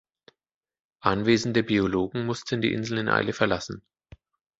Anwesende Biologen mussten die Insel in Eile verlassen.